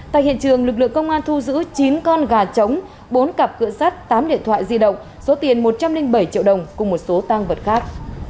tại hiện trường lực lượng công an thu giữ chín con gà trống bốn cặp cửa sát tám điện thoại di động số tiền một trăm linh bảy triệu đồng cùng một số tăng vật khác